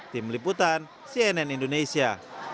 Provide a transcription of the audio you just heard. tim liputan cnn indonesia